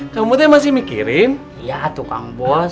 kamu masih mikirin ya tuh kang bos